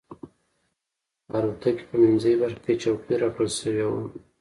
د الوتکې په منځۍ برخه کې چوکۍ راکړل شوې وه.